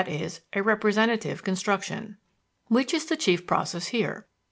e., a representative construction. Which is the chief process here?